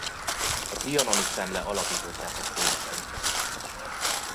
A Trianoni Szemle alapító szerkesztőinek egyike.